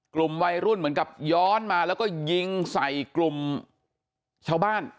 กลุ่มวัยรุ่นเหมือนกับย้อนมาแล้วก็ยิงใส่กลุ่มชาวบ้าน